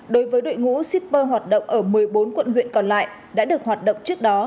đối với đội ngũ shipper hoạt động ở một mươi bốn quận huyện còn lại đã được hoạt động trước đó